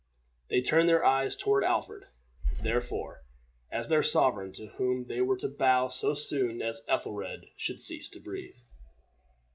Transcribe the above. They turned their eyes toward Alfred, therefore, as the sovereign to whom they were to bow so soon as Ethelred should cease to breathe.